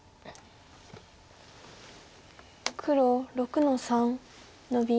黒６の三ノビ。